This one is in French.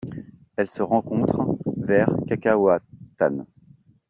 Elle se rencontre vers Cacahoatán.